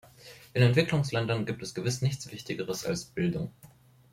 In Entwicklungsländern gibt es gewiss nichts Wichtigeres als Bildung.